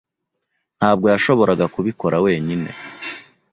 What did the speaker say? ntabwo yashoboraga kubikora wenyine.